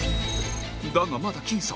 だがまだ僅差